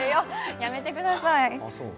やめてください。